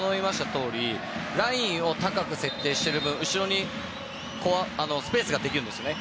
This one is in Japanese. とおりラインを高く設定している分後ろにスペースができるんですね。